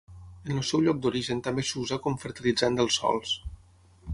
En el seu lloc d'origen també s'usa com fertilitzant dels sòls.